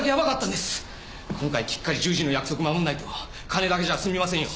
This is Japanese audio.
今回きっかり１０時の約束守らないと金だけじゃ済みませんよ。